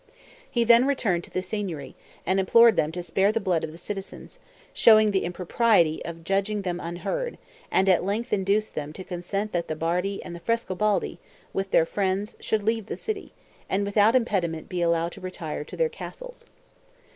He then returned to the Signory, and implored them to spare the blood of the citizens, showing the impropriety of judging them unheard, and at length induced them to consent that the Bardi and the Frescobaldi, with their friends, should leave the city, and without impediment be allowed to retire to their castles.